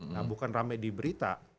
nah bukan rame di berita